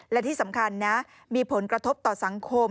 และที่สำคัญนะมีผลกระทบต่อสังคม